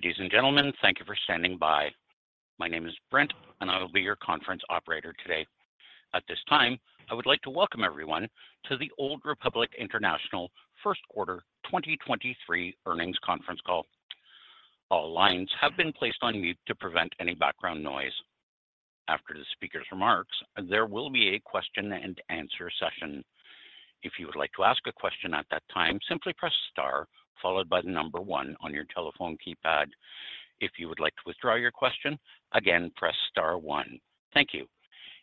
Ladies and gentlemen, thank you for standing by. My name is Brent, and I will be your conference operator today. At this time, I would like to welcome everyone to the Old Republic International first quarter 2023 earnings conference call. All lines have been placed on mute to prevent any background noise. After the speaker's remarks, there will be a question and answer session. If you would like to ask a question at that time, simply press star one on your telephone keypad. If you would like to withdraw your question, again, press star one. Thank you.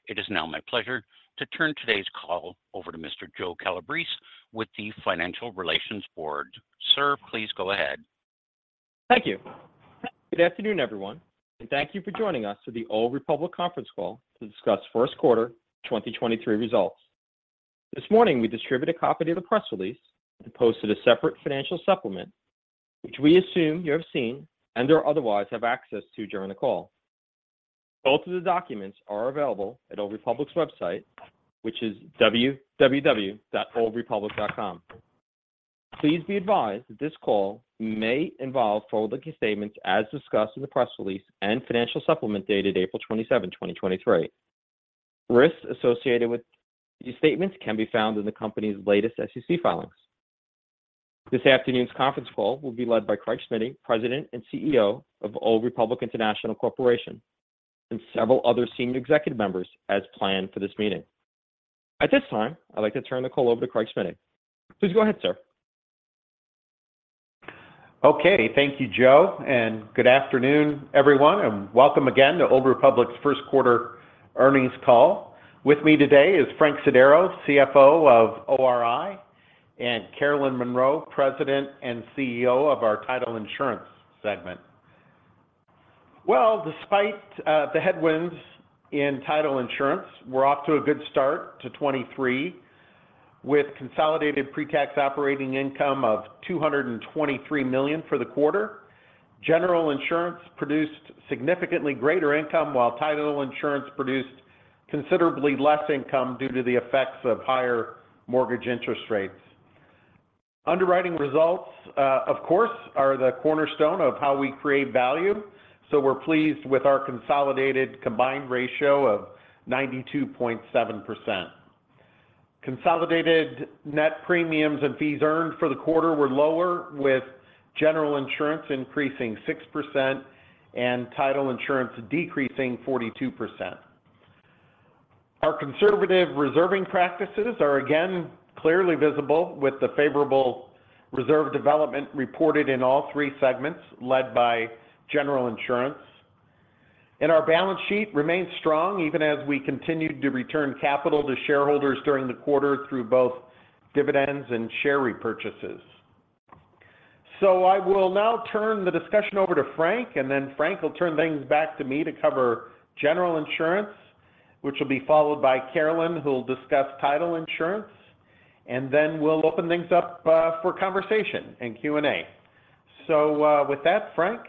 It is now my pleasure to turn today's call over to Mr. Joe Calabrese with the Financial Relations Board. Sir, please go ahead. Thank you. Good afternoon, everyone, and thank you for joining us for the Old Republic conference call to discuss first quarter 2023 results. This morning, we distributed a copy of the press release and posted a separate financial supplement, which we assume you have seen and/or otherwise have access to during the call. Both of the documents are available at Old Republic's website, which is www.oldrepublic.com. Please be advised that this call may involve forward-looking statements as discussed in the press release and financial supplement dated April 27, 2023. Risks associated with these statements can be found in the company's latest SEC filings. This afternoon's conference call will be led by Craig Smiddy, President and CEO of Old Republic International Corporation, and several other senior executive members as planned for this meeting. At this time, I'd like to turn the call over to Craig Smiddy. Please go ahead, sir. Okay. Thank you, Joe. Good afternoon, everyone, and welcome again to Old Republic's first quarter earnings call. With me today is Frank Sodaro, CFO of ORI, and Carolyn Monroe, President and CEO of our Title Insurance segment. Well, despite the headwinds in Title Insurance, we're off to a good start to 2023 with consolidated pre-tax operating income of $223 million for the quarter. General Insurance produced significantly greater income while Title Insurance produced considerably less income due to the effects of higher mortgage interest rates. Underwriting results, of course, are the cornerstone of how we create value, so we're pleased with our consolidated combined ratio of 92.7%. Consolidated net premiums and fees earned for the quarter were lower, with General Insurance increasing 6% and Title Insurance decreasing 42%. Our conservative reserving practices are again clearly visible with the favorable reserve development reported in all three segments led by General Insurance. Our balance sheet remains strong even as we continued to return capital to shareholders during the quarter through both dividends and share repurchases. I will now turn the discussion over to Frank, and then Frank will turn things back to me to cover General Insurance, which will be followed by Carolyn, who will discuss Title Insurance. Then we'll open things up for conversation and Q&A. With that, Frank?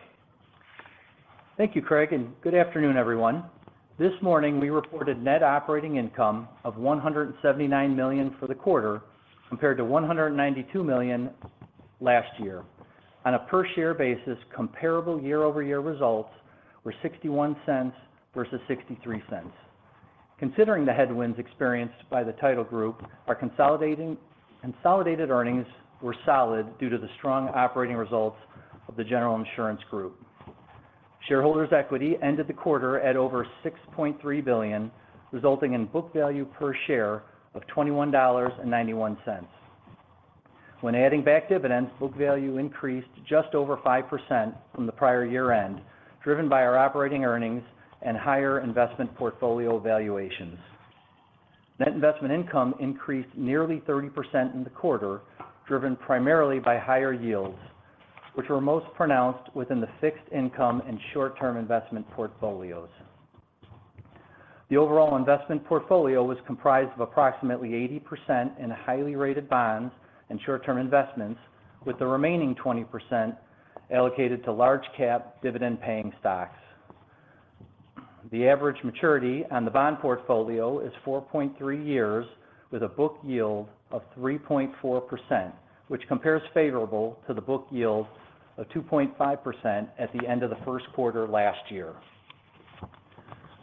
Thank you, Craig, and good afternoon, everyone. This morning, we reported net operating income of $179 million for the quarter compared to $192 million last year. On a per-share basis, comparable year-over-year results were $0.61 versus $0.63. Considering the headwinds experienced by the Title group, our consolidated earnings were solid due to the strong operating results of the General Insurance group. Shareholders' equity ended the quarter at over $6.3 billion, resulting in book value per share of $21.91. When adding back dividends, book value increased just over 5% from the prior year-end, driven by our operating earnings and higher investment portfolio valuations. Net investment income increased nearly 30% in the quarter, driven primarily by higher yields, which were most pronounced within the fixed income and short-term investment portfolios. The overall investment portfolio was comprised of approximately 80% in highly rated bonds and short-term investments, with the remaining 20% allocated to large-cap dividend-paying stocks. The average maturity on the bond portfolio is 4.3 years with a book yield of 3.4%, which compares favorable to the book yield of 2.5% at the end of the first quarter last year.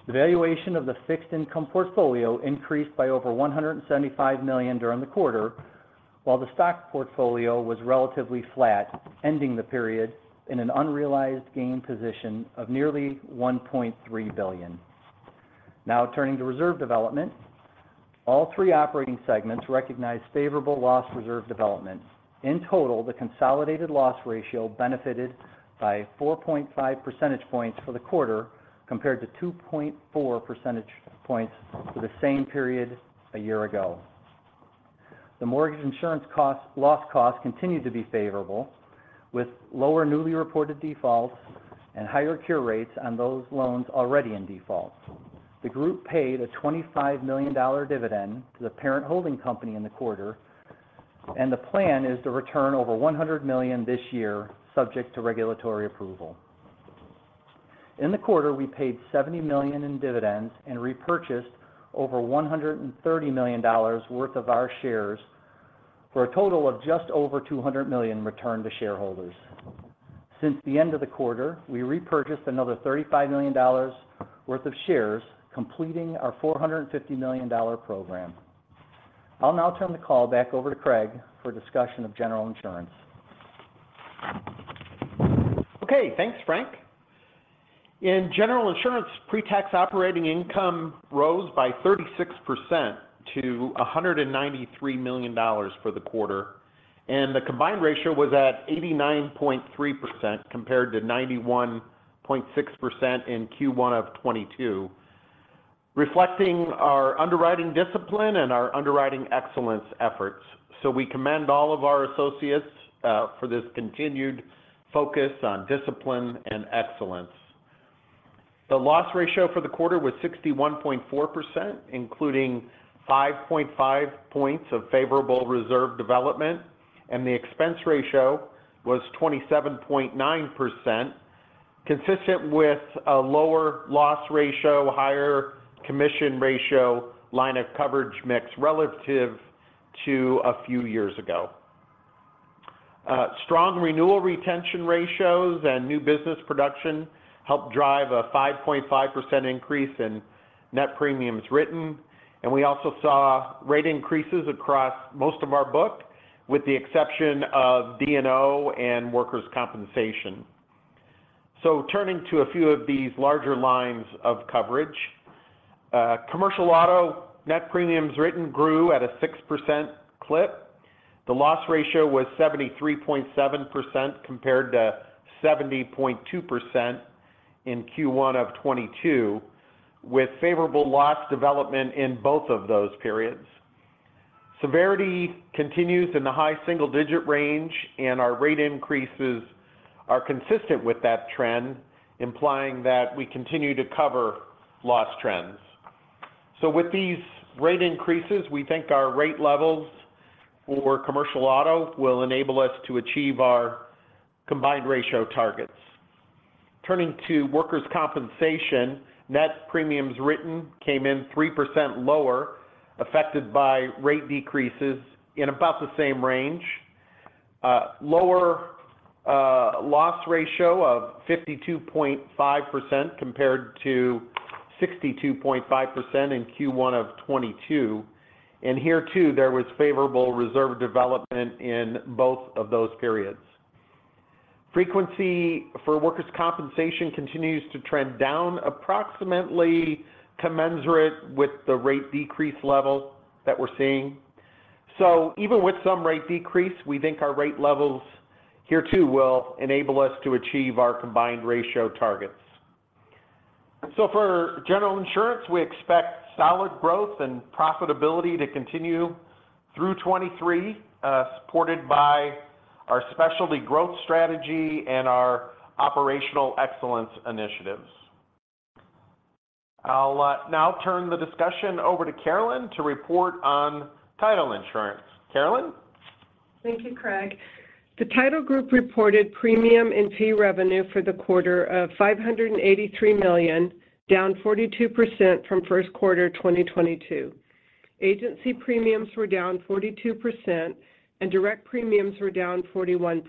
The valuation of the fixed income portfolio increased by over $175 million during the quarter, while the stock portfolio was relatively flat, ending the period in an unrealized gain position of nearly $1.3 billion. Turning to reserve development. All three operating segments recognized favorable loss reserve developments. In total, the consolidated loss ratio benefited by 4.5 percentage points for the quarter, compared to 2.4 percentage points for the same period a year ago. The mortgage insurance loss costs continued to be favorable, with lower newly reported defaults and higher cure rates on those loans already in default. The group paid a $25 million dividend to the parent holding company in the quarter. The plan is to return over $100 million this year, subject to regulatory approval. In the quarter, we paid $70 million in dividends and repurchased over $130 million worth of our shares for a total of just over $200 million returned to shareholders. Since the end of the quarter, we repurchased another $35 million worth of shares, completing our $450 million program. I'll now turn the call back over to Craig for a discussion of General Insurance. Okay, thanks, Frank. In General Insurance, pre-tax operating income rose by 36% to $193 million for the quarter, and the combined ratio was at 89.3% compared to 91.6% in Q1 of 2022, reflecting our underwriting discipline and our underwriting excellence efforts. We commend all of our associates for this continued focus on discipline and excellence. The loss ratio for the quarter was 61.4%, including 5.5 points of favorable reserve development, and the expense ratio was 27.9%, consistent with a lower loss ratio, higher commission ratio, line of coverage mix relative to a few years ago. Strong renewal retention ratios and new business production helped drive a 5.5% increase in net premiums written. We also saw rate increases across most of our book, with the exception of D&O and workers' compensation. Turning to a few of these larger lines of coverage, commercial auto net premiums written grew at a 6% clip. The loss ratio was 73.7% compared to 70.2% in Q1 of 2022, with favorable loss development in both of those periods. Severity continues in the high single-digit range. Our rate increases are consistent with that trend, implying that we continue to cover loss trends. With these rate increases, we think our rate levels for commercial auto will enable us to achieve our combined ratio targets. Turning to workers' compensation, net premiums written came in 3% lower, affected by rate decreases in about the same range. Lower loss ratio of 52.5% compared to 62.5% in Q1 of 2022. Here too, there was favorable reserve development in both of those periods. Frequency for workers' compensation continues to trend down approximately commensurate with the rate decrease level that we're seeing. Even with some rate decrease, we think our rate levels here too will enable us to achieve our combined ratio targets. For General Insurance, we expect solid growth and profitability to continue through 2023, supported by our specialty growth strategy and our operational excellence initiatives. I'll now turn the discussion over to Carolyn to report on Title Insurance. Carolyn? Thank you, Craig. The Title group reported premium and fee revenue for the quarter of $583 million, down 42% from first quarter 2022. Agency premiums were down 42%, and direct premiums were down 41%.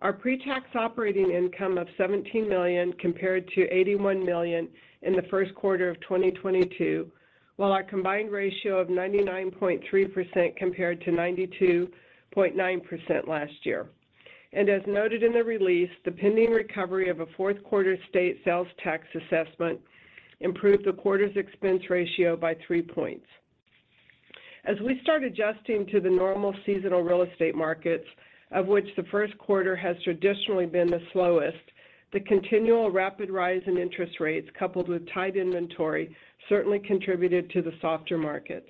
Our pre-tax operating income of $17 million compared to $81 million in the first quarter of 2022, while our combined ratio of 99.3% compared to 92.9% last year. As noted in the release, the pending recovery of a fourth quarter state sales tax assessment improved the quarter's expense ratio by three points. As we start adjusting to the normal seasonal real estate markets, of which the first quarter has traditionally been the slowest, the continual rapid rise in interest rates coupled with tight inventory certainly contributed to the softer market.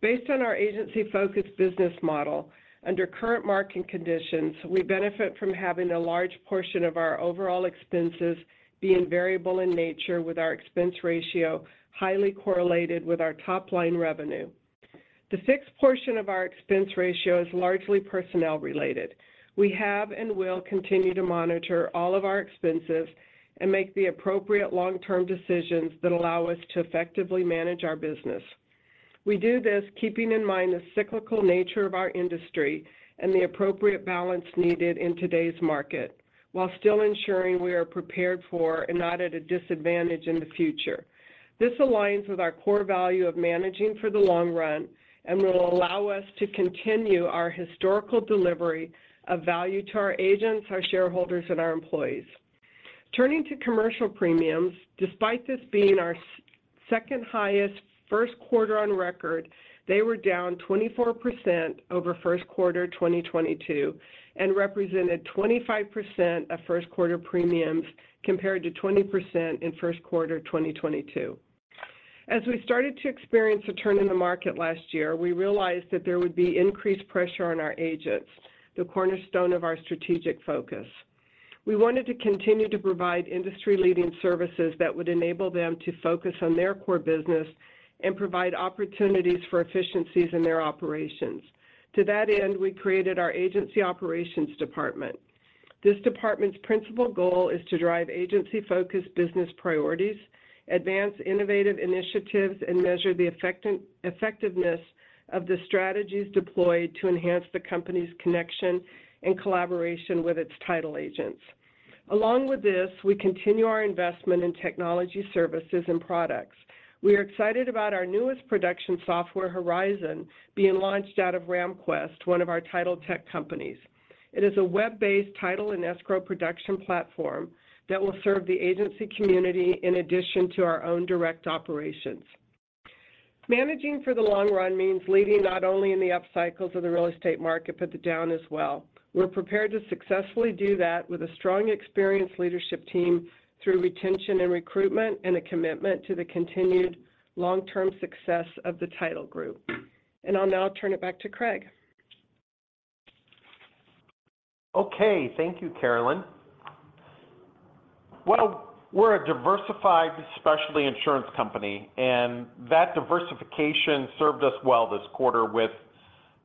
Based on our agency-focused business model, under current market conditions, we benefit from having a large portion of our overall expenses being variable in nature with our expense ratio highly correlated with our top-line revenue. The fixed portion of our expense ratio is largely personnel-related. We have and will continue to monitor all of our expenses and make the appropriate long-term decisions that allow us to effectively manage our business. We do this keeping in mind the cyclical nature of our industry and the appropriate balance needed in today's market, while still ensuring we are prepared for and not at a disadvantage in the future. This aligns with our core value of managing for the long run and will allow us to continue our historical delivery of value to our agents, our shareholders, and our employees. Turning to commercial premiums, despite this being our second highest first quarter on record, they were down 24% over first quarter 2022 and represented 25% of first quarter premiums, compared to 20% in first quarter 2022. As we started to experience a turn in the market last year, we realized that there would be increased pressure on our agents, the cornerstone of our strategic focus. We wanted to continue to provide industry-leading services that would enable them to focus on their core business and provide opportunities for efficiencies in their operations. To that end, we created our Agency Operations Department. This department's principal goal is to drive agency-focused business priorities, advance innovative initiatives, and measure the effectiveness of the strategies deployed to enhance the company's connection and collaboration with its title agents. Along with this, we continue our investment in technology services and products. We are excited about our newest production software, Horizon, being launched out of RamQuest, one of our title tech companies. It is a web-based title and escrow production platform that will serve the agency community in addition to our own direct operations. Managing for the long run means leading not only in the upcycles of the real estate market, but the down as well. We're prepared to successfully do that with a strong, experienced leadership team through retention and recruitment and a commitment to the continued long-term success of the title group. I'll now turn it back to Craig. Okay, thank you, Carolyn. Well, we're a diversified specialty insurance company, and that diversification served us well this quarter with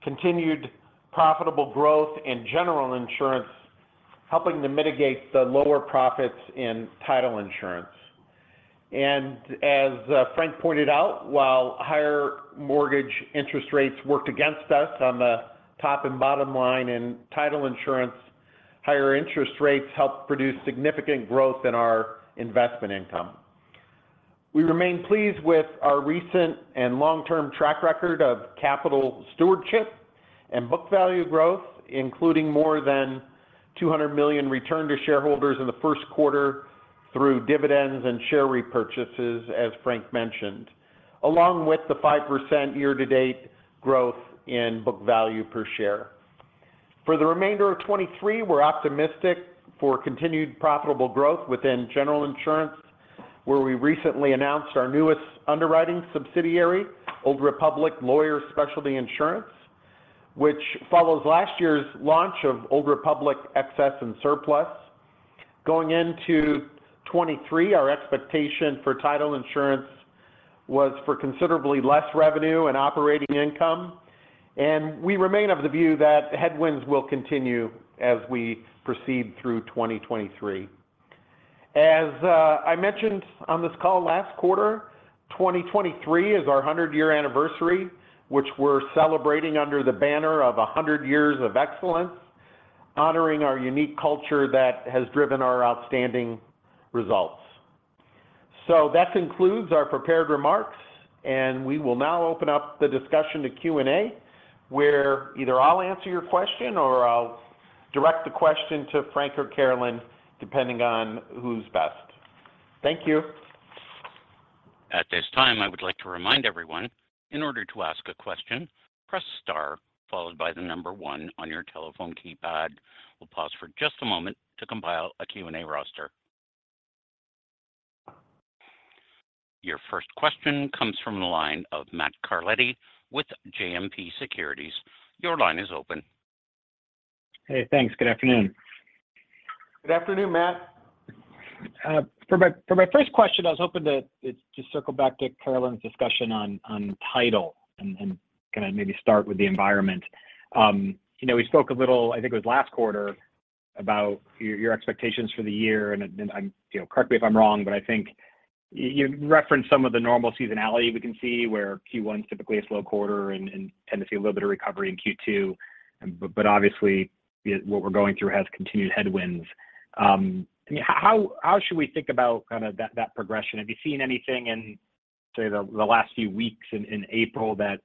continued profitable growth and General Insurance helping to mitigate the lower profits in Title Insurance. As Frank pointed out, while higher mortgage interest rates worked against us on the top and bottom line in Title Insurance, higher interest rates helped produce significant growth in our investment income. We remain pleased with our recent and long-term track record of capital stewardship and book value growth, including more than $200 million return to shareholders in the first quarter through dividends and share repurchases, as Frank mentioned, along with the 5% year-to-date growth in book value per share. For the remainder of 2023, we're optimistic for continued profitable growth within General Insurance, where we recently announced our newest underwriting subsidiary, Old Republic Lawyers Specialty Insurance, which follows last year's launch of Old Republic Excess & Surplus. Going into 2023, our expectation for Title Insurance was for considerably less revenue and operating income, and we remain of the view that headwinds will continue as we proceed through 2023. As I mentioned on this call last quarter, 2023 is our 100-year anniversary, which we're celebrating under the banner of "100 Years of Excellence," honoring our unique culture that has driven our outstanding results. That concludes our prepared remarks, and we will now open up the discussion to Q&A, where either I'll answer your question or I'll direct the question to Frank or Carolyn, depending on who's best. Thank you. At this time, I would like to remind everyone, in order to ask a question, press star followed by one on your telephone keypad. We'll pause for just a moment to compile a Q&A roster. Your first question comes from the line of Matt Carletti with JMP Securities. Your line is open. Hey, thanks. Good afternoon. Good afternoon, Matt. For my first question, I was hoping to just circle back to Carolyn's discussion on Title and kinda maybe start with the environment. You know, we spoke a little, I think it was last quarter, about your expectations for the year. I'm, you know, correct me if I'm wrong, but I think you referenced some of the normal seasonality we can see, where Q1 is typically a slow quarter and tend to see a little bit of recovery in Q2. Obviously, what we're going through has continued headwinds. I mean, how should we think about kind of that progression? Have you seen anything in, say, the last few weeks in April that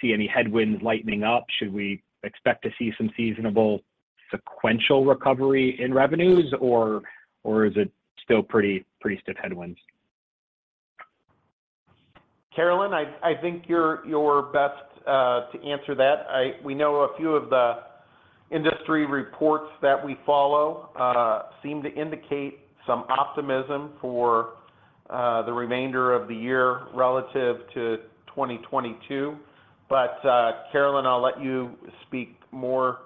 see any headwinds lightening up? Should we expect to see some seasonable sequential recovery in revenues or is it still pretty stiff headwinds? Carolyn, I think you're best to answer that. We know a few of the industry reports that we follow seem to indicate some optimism for the remainder of the year relative to 2022. Carolyn, I'll let you speak more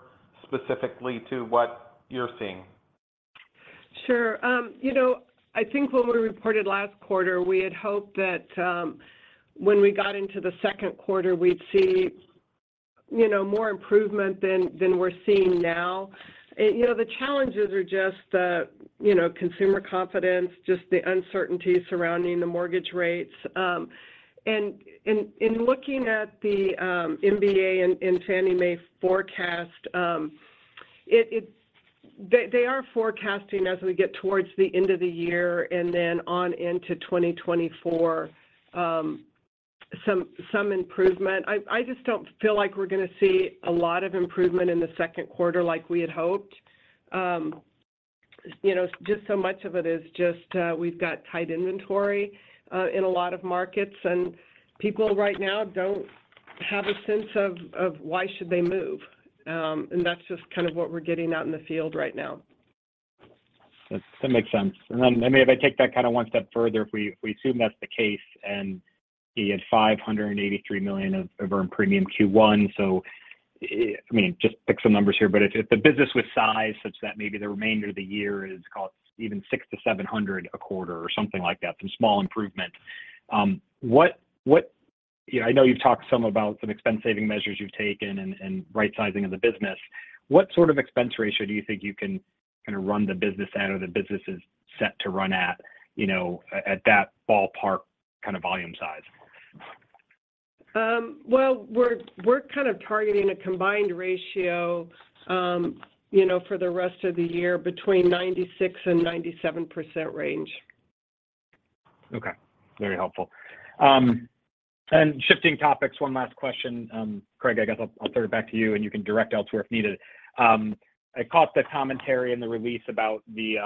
specifically to what you're seeing. Sure. You know, I think what we reported last quarter, we had hoped that when we got into the second quarter, we'd see, you know, more improvement than we're seeing now. You know, the challenges are just the, you know, consumer confidence, just the uncertainty surrounding the mortgage rates. In looking at the MBA and Fannie Mae forecast, they are forecasting as we get towards the end of the year and then on into 2024, some improvement. I just don't feel like we're gonna see a lot of improvement in the second quarter like we had hoped. You know, just so much of it is just, we've got tight inventory in a lot of markets, and people right now don't have a sense of why should they move. That's just kind of what we're getting out in the field right now. That makes sense. I mean, if I take that kind of one step further, if we assume that's the case, you had $583 million of earned premium Q1, I mean, just pick some numbers here. If the business was sized such that maybe the remainder of the year is, call it, even $600-$700 a quarter or something like that, some small improvement. What, you know, I know you've talked some about some expense saving measures you've taken and right-sizing of the business. What sort of expense ratio do you think you can kind of run the business at, or the business is set to run at, you know, at that ballpark kind of volume size? Well, we're kind of targeting a combined ratio, you know, for the rest of the year between 96% and 97% range. Okay. Very helpful. Shifting topics, one last question. Craig, I guess I'll throw it back to you, and you can direct elsewhere if needed. I caught the commentary in the release about the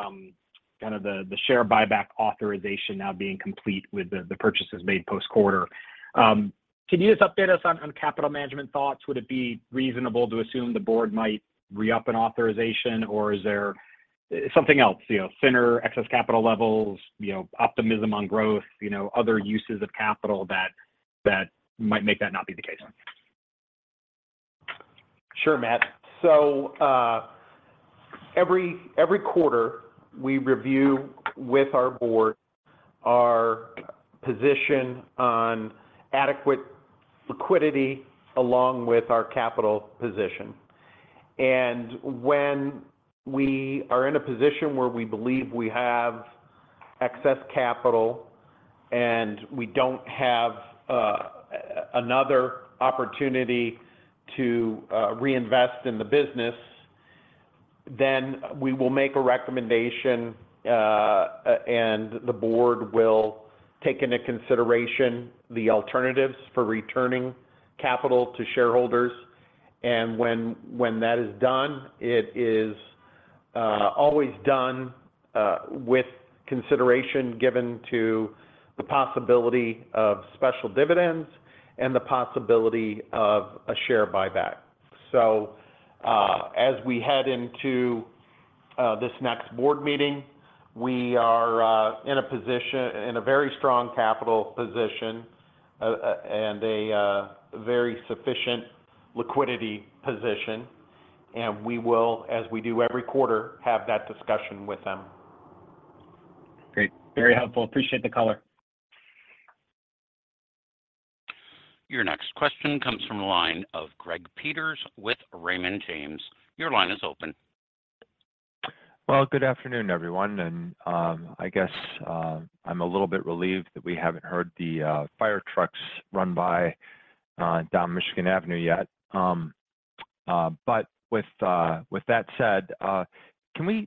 kind of the share buyback authorization now being complete with the purchases made post-quarter. Can you just update us on capital management thoughts? Would it be reasonable to assume the board might re-up an authorization, or is there something else? You know, thinner excess capital levels, you know, optimism on growth, you know, other uses of capital that might make that not be the case. Sure, Matt. Every quarter we review with our board our position on adequate liquidity along with our capital position. When we are in a position where we believe we have excess capital and we don't have another opportunity to reinvest in the business, then we will make a recommendation, and the board will take into consideration the alternatives for returning capital to shareholders. When that is done, it is always done with consideration given to the possibility of special dividends and the possibility of a share buyback. As we head into this next board meeting, we are in a position, in a very strong capital position, and a very sufficient liquidity position. We will, as we do every quarter, have that discussion with them. Great. Very helpful. Appreciate the color. Your next question comes from the line of Greg Peters with Raymond James. Your line is open. Good afternoon, everyone. I guess, I'm a little bit relieved that we haven't heard the fire trucks run by down Michigan Avenue yet. With that said, can we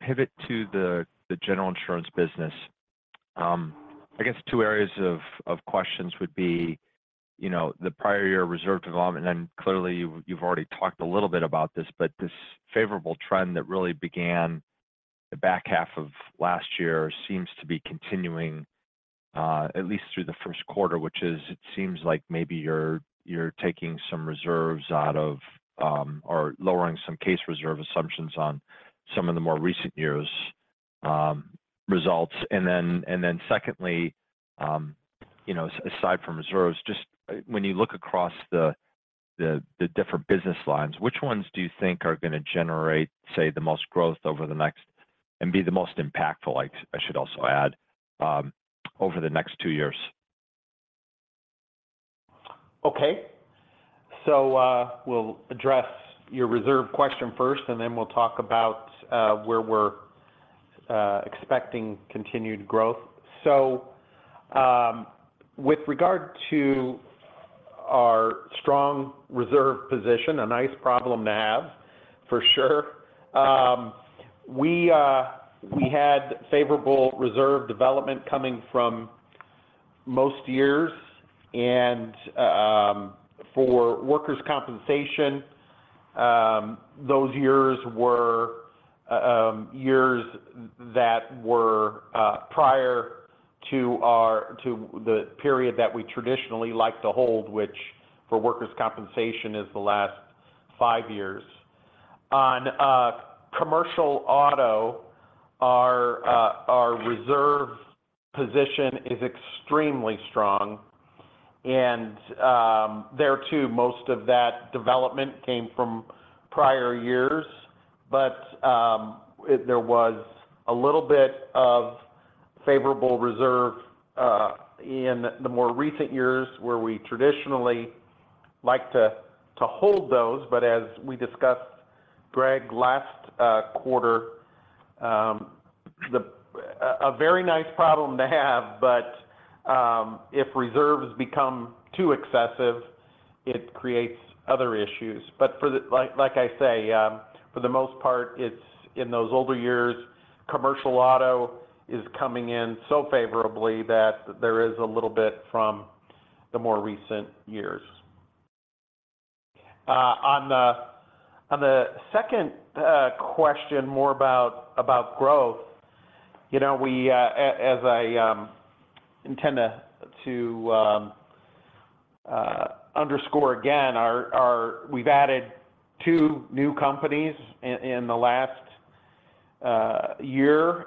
pivot to the General Insurance business? I guess two areas of questions would be, you know, the prior year reserve development, clearly you've already talked a little bit about this, but this favorable trend that really began the back half of last year seems to be continuing, at least through the first quarter, which is it seems like maybe you're taking some reserves out of, or lowering some case reserve assumptions on some of the more recent years results. Secondly, you know, aside from reserves, just when you look across the different business lines, which ones do you think are gonna generate, say, the most growth over the next... and be the most impactful, I should also add, over the next two years? Okay. We'll address your reserve question first, and then we'll talk about where we're expecting continued growth. With regard to our strong reserve position, a nice problem to have for sure, we had favorable reserve development coming from most years. For workers' compensation, those years were years that were prior to our, to the period that we traditionally like to hold, which for workers' compensation is the last five years. On commercial auto, our reserve position is extremely strong. There too, most of that development came from prior years. There was a little bit of favorable reserve in the more recent years where we traditionally like to hold those. As we discussed, Greg, last quarter, a very nice problem to have, if reserves become too excessive, it creates other issues. Like I say, for the most part, it's in those older years, commercial auto is coming in so favorably that there is a little bit from the more recent years. On the second question, more about growth, you know, we, as I intend to underscore again our, we've added two new companies in the last year.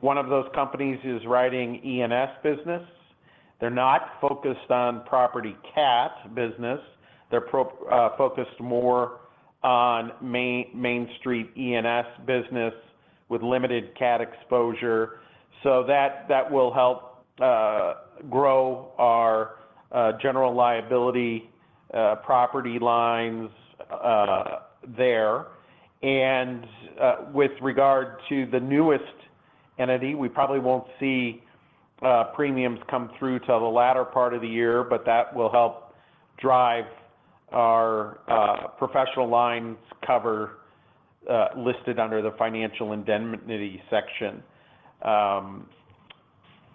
One of those companies is writing E&S business. They're not focused on property cat business. They're focused more on Main Street E&S business with limited cat exposure. That will help grow our general liability, property lines there. With regard to the newest entity, we probably won't see premiums come through till the latter part of the year, but that will help drive our professional lines cover listed under the financial indemnity section.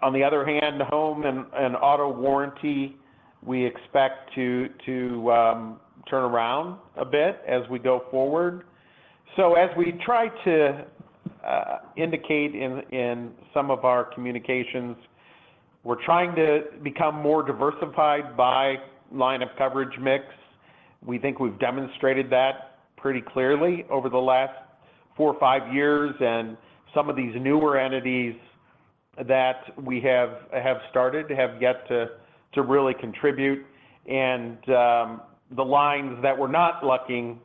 On the other hand, home and auto warranty, we expect to turn around a bit as we go forward. As we try to indicate in some of our communications, we're trying to become more diversified by line of coverage mix. We think we've demonstrated that pretty clearly over the last four or five years. Some of these newer entities that we have started have yet to really contribute. The lines that we're not looking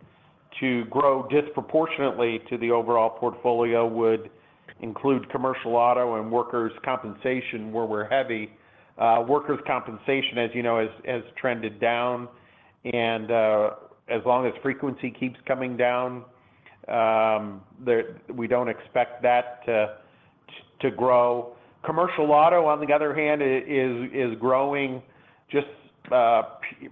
to grow disproportionately to the overall portfolio would include commercial auto and workers' compensation where we're heavy. Workers' compensation, as you know, has trended down. As long as frequency keeps coming down, we don't expect that to grow. Commercial auto, on the other hand, is growing just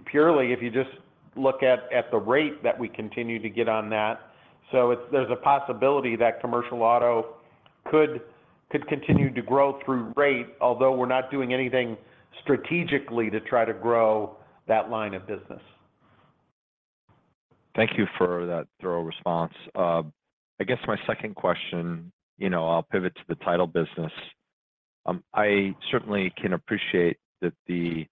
purely if you just look at the rate that we continue to get on that. There's a possibility that commercial auto could continue to grow through rate, although we're not doing anything strategically to try to grow that line of business. Thank you for that thorough response. I guess my second question, you know, I'll pivot to the title business. I certainly can appreciate that the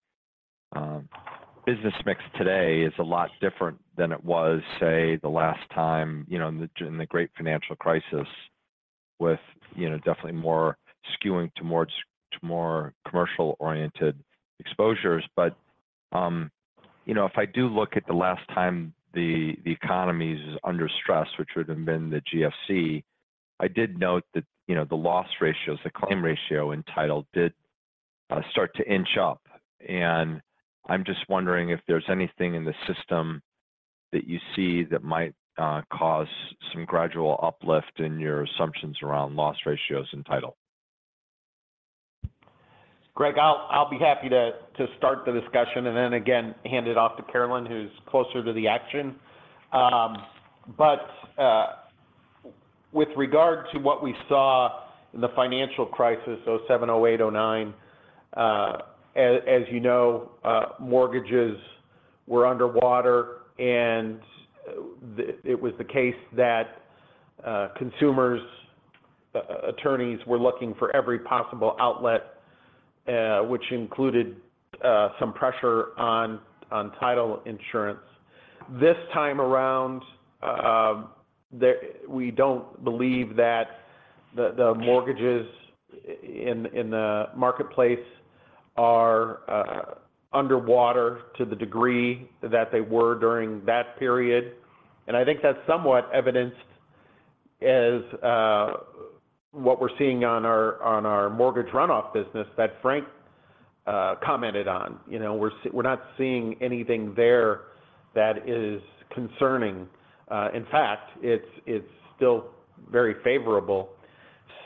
business mix today is a lot different than it was, say, the last time, you know, in the great financial crisis with, you know, definitely more skewing to more, to more commercial-oriented exposures. You know, if I do look at the last time the economy is under stress, which would have been the GFC, I did note that, you know, the loss ratios, the claim ratio in title did start to inch up. I'm just wondering if there's anything in the system that you see that might cause some gradual uplift in your assumptions around loss ratios in title. Greg, I'll be happy to start the discussion and then again, hand it off to Carolyn, who's closer to the action. With regard to what we saw in the financial crisis, 2007, 2008, 2009, as you know, mortgages were underwater, and it was the case that consumers', attorneys were looking for every possible outlet, which included some pressure on Title Insurance. This time around, we don't believe that the mortgages in the marketplace are underwater to the degree that they were during that period. I think that's somewhat evidenced as what we're seeing on our mortgage run-off business that Frank commented on. You know, we're not seeing anything there that is concerning. In fact, it's still very favorable.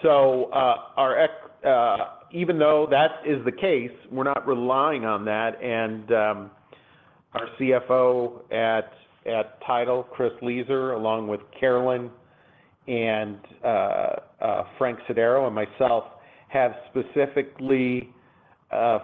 Even though that is the case, we're not relying on that. Our CFO at Title, Chris Lieser, along with Carolyn and Frank Sodaro and myself, have specifically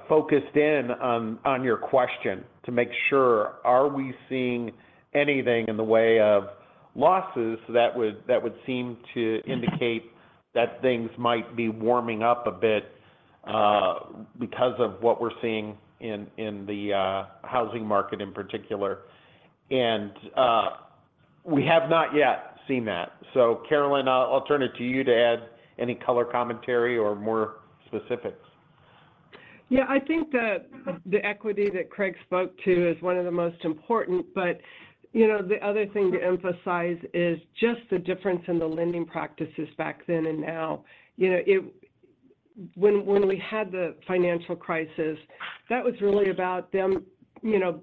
focused in on your question to make sure, are we seeing anything in the way of losses that would seem to indicate that things might be warming up a bit because of what we're seeing in the housing market in particular. We have not yet seen that. Carolyn, I'll turn it to you to add any color commentary or more specifics. Yeah. I think that the equity that Craig spoke to is one of the most important. You know, the other thing to emphasize is just the difference in the lending practices back then and now. You know, When we had the financial crisis, that was really about them, you know,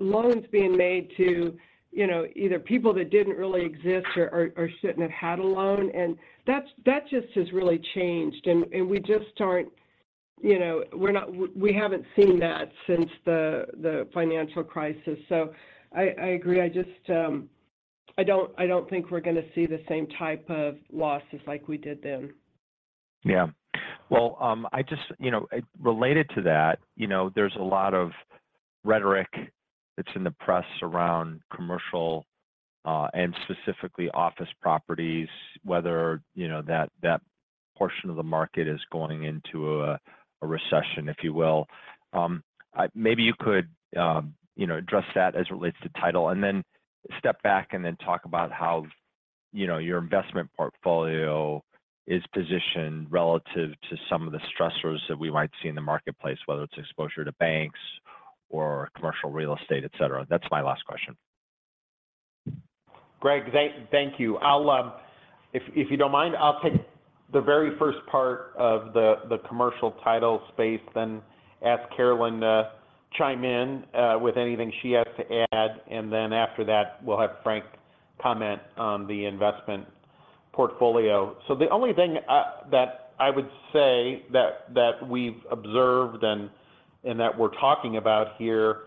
loans being made to, you know, either people that didn't really exist or shouldn't have had a loan. That just has really changed. We just aren't, you know, we haven't seen that since the financial crisis. I agree. I just, I don't, I don't think we're gonna see the same type of losses like we did then. Yeah. Well, I just, you know, related to that, you know, there's a lot of rhetoric that's in the press around commercial, and specifically office properties, whether, you know, that portion of the market is going into a recession, if you will. Maybe you could, you know, address that as it relates to title, and then step back and then talk about how. You know, your investment portfolio is positioned relative to some of the stressors that we might see in the marketplace, whether it's exposure to banks or commercial real estate, et cetera. That's my last question. Greg, thank you. I'll, if you don't mind, I'll take the very first part of the commercial title space, then ask Carolyn to chime in with anything she has to add. After that, we'll have Frank comment on the investment portfolio. The only thing that I would say that we've observed and that we're talking about here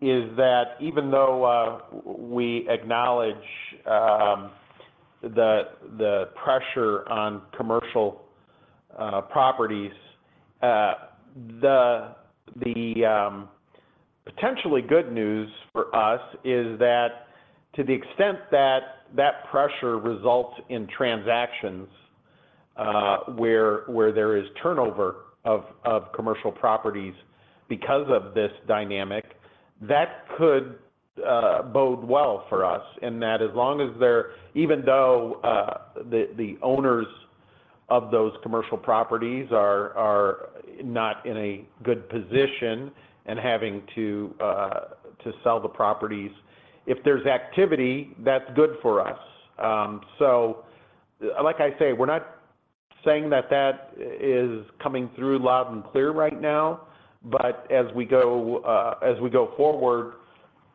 is that even though we acknowledge the pressure on commercial properties, the potentially good news for us is that to the extent that that pressure results in transactions, where there is turnover of commercial properties because of this dynamic, that could bode well for us in that even though the owners of those commercial properties are not in a good position and having to sell the properties, if there's activity, that's good for us. Like I say, we're not saying that that is coming through loud and clear right now, but as we go, as we go forward,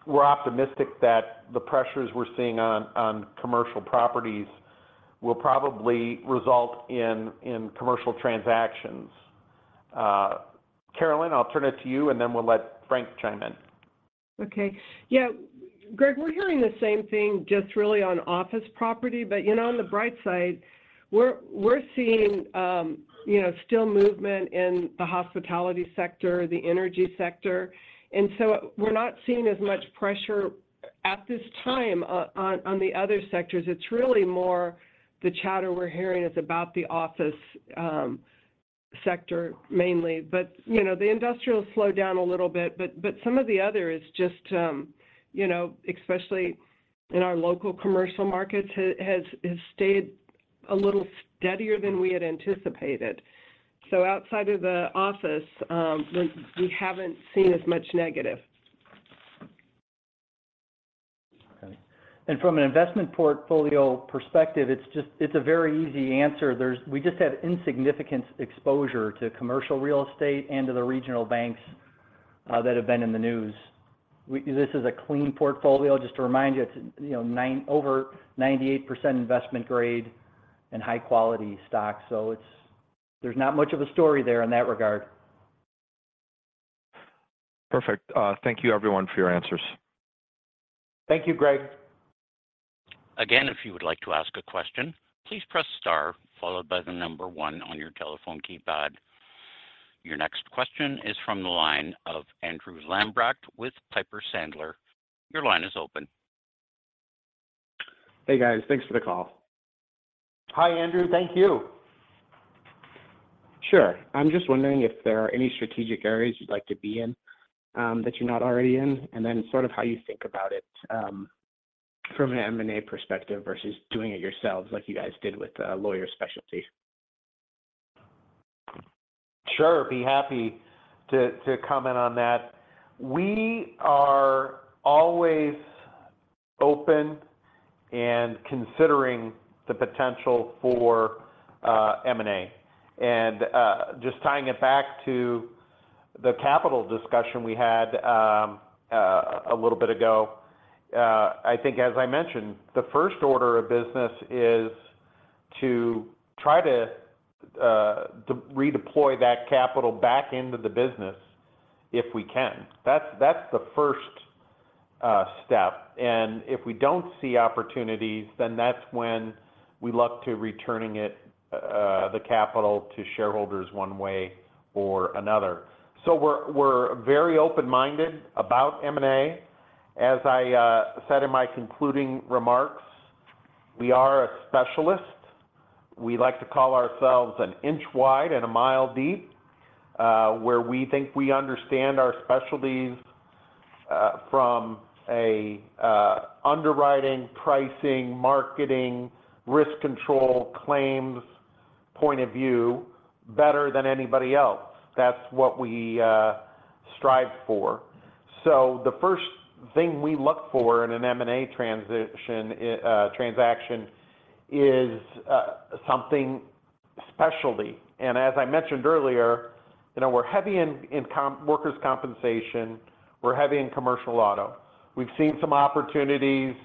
we're optimistic that the pressures we're seeing on commercial properties will probably result in commercial transactions. Carolyn, I'll turn it to you, and then we'll let Frank chime in. Okay. Yeah, Greg, we're hearing the same thing just really on office property. you know, on the bright side, we're seeing, you know, still movement in the hospitality sector, the energy sector. We're not seeing as much pressure at this time on the other sectors. It's really more the chatter we're hearing is about the office sector mainly. you know, the industrial slowed down a little bit. some of the other is just, you know, especially in our local commercial markets, has stayed a little steadier than we had anticipated. outside of the office, we haven't seen as much negative. From an investment portfolio perspective, it's just, it's a very easy answer. We just have insignificant exposure to commercial real estate and to the regional banks that have been in the news. This is a clean portfolio. Just to remind you, it's, you know, over 98% investment grade and high-quality stocks. It's, there's not much of a story there in that regard. Perfect. Thank you, everyone, for your answers. Thank you, Greg. If you would like to ask a question, please press star followed by one on your telephone keypad. Your next question is from the line of Andrew Lambrecht with Piper Sandler. Your line is open. Hey, guys. Thanks for the call. Hi, Andrew. Thank you. Sure. I'm just wondering if there are any strategic areas you'd like to be in, that you're not already in, and then sort of how you think about it, from an M&A perspective versus doing it yourselves like you guys did with Lawyers Specialty. Sure. Be happy to comment on that. We are always open and considering the potential for M&A. Just tying it back to the capital discussion we had a little bit ago, I think as I mentioned, the first order of business is to try to de-redeploy that capital back into the business if we can. That's the first step. If we don't see opportunities, then that's when we look to returning it the capital to shareholders one way or another. We're very open-minded about M&A. As I said in my concluding remarks, we are a specialist. We like to call ourselves an inch wide and a mile deep, where we think we understand our specialties from a underwriting, pricing, marketing, risk control, claims point of view better than anybody else. That's what we strive for. The first thing we look for in an M&A transition transaction is something specialty. As I mentioned earlier, you know, we're heavy in workers' compensation, we're heavy in commercial auto. We've seen some opportunities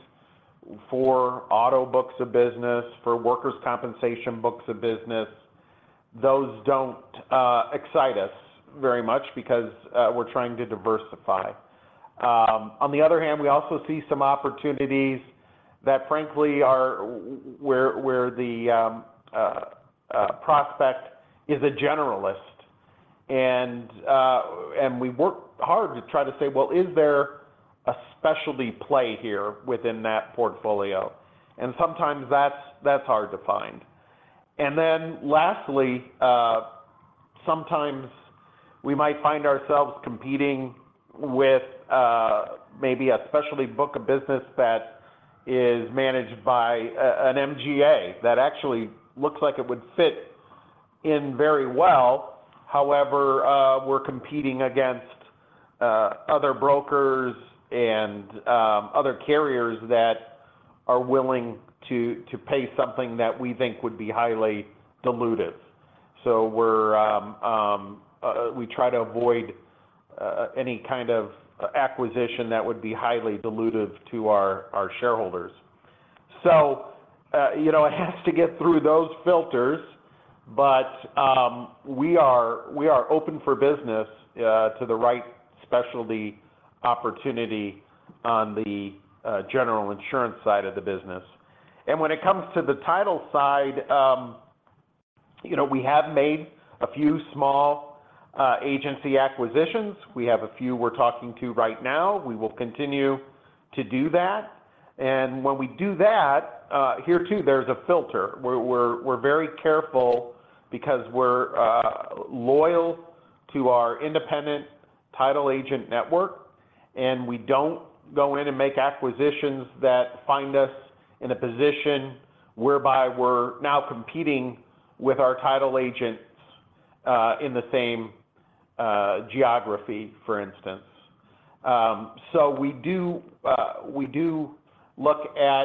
for auto books of business, for workers' compensation books of business. Those don't excite us very much because we're trying to diversify. On the other hand, we also see some opportunities that frankly are where the prospect is a generalist. We work hard to try to say, "Well, is there a specialty play here within that portfolio?" Sometimes that's hard to find. Lastly, Sometimes we might find ourselves competing with maybe a specialty book of business that is managed by an MGA that actually looks like it would fit in very well. However, we're competing against other brokers and other carriers that are willing to pay something that we think would be highly dilutive. We're, we try to avoid any kind of acquisition that would be highly dilutive to our shareholders. You know, it has to get through those filters, but we are open for business to the right specialty opportunity on the General Insurance side of the business. When it comes to the Title side, you know, we have made a few small agency acquisitions. We have a few we're talking to right now. We will continue to do that. When we do that, here too, there's a filter. We're very careful because we're loyal to our independent title agent network, and we don't go in and make acquisitions that find us in a position whereby we're now competing with our title agents in the same geography, for instance. So we do look at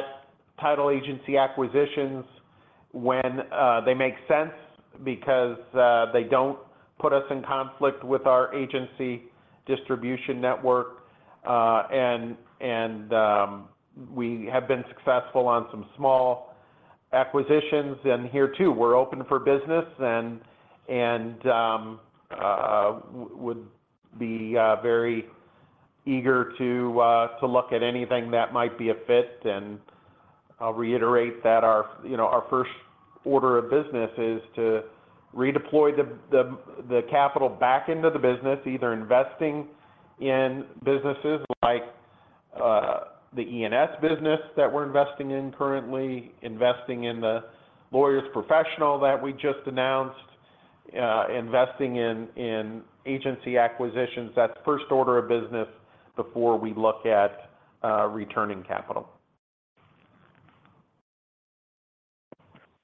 title agency acquisitions when they make sense because they don't put us in conflict with our agency distribution network. And we have been successful on some small acquisitions. Here too, we're open for business and would be very eager to look at anything that might be a fit. I'll reiterate that our, you know, our first order of business is to redeploy the capital back into the business, either investing in businesses like the E&S business that we're investing in currently, investing in the Lawyers Specialty that we just announced, investing in agency acquisitions. That's first order of business before we look at returning capital.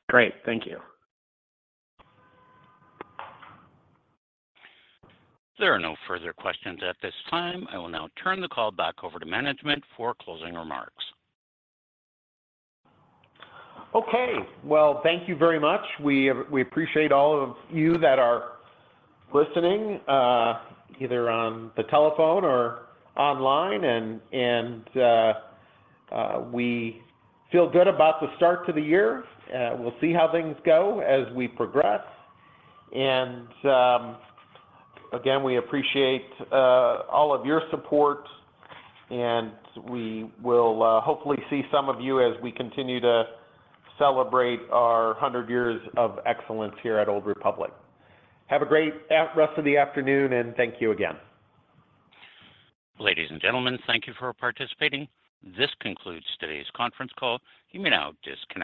Great. Thank you. There are no further questions at this time. I will now turn the call back over to management for closing remarks. Okay. Well, thank you very much. We appreciate all of you that are listening, either on the telephone or online, and we feel good about the start to the year. We'll see how things go as we progress. Again, we appreciate all of your support, and we will hopefully see some of you as we continue to celebrate our 100 Years of Excellence here at Old Republic. Have a great rest of the afternoon. Thank you again. Ladies and gentlemen, thank you for participating. This concludes today's conference call. You may now disconnect.